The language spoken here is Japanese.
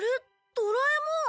ドラえもん。